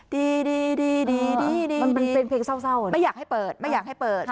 มันเป็นเพลงเศร้าไม่อยากให้เปิด